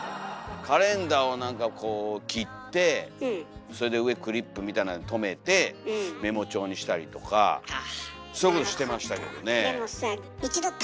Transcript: カレンダーを何かこう切ってそれで上クリップみたいなので留めてメモ帳にしたりとかそういうことしてましたけどね。